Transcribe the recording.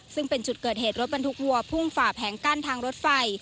ซึ่งเป็นจุดเกิดเหตุรถบรรทุกวัวพุ่งฝ่าแผงกั้นทางรถไฟ